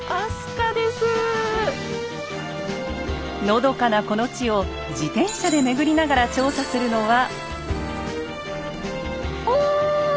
のどかなこの地を自転車で巡りながら調査するのは。